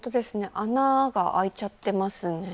穴が開いちゃってますね。